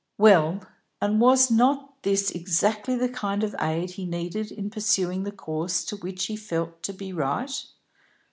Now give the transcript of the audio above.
Well, and was not this exactly the kind of aid he needed in pursuing the course which he felt to be right?